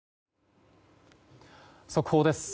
速報です。